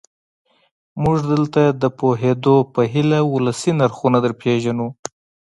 موږ دلته د پوهېدو په هیله ولسي نرخونه درپېژنو.